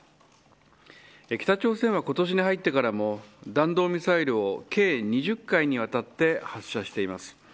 北朝鮮は今年に入ってからも弾道ミサイルを計２０回にわたって発射しています。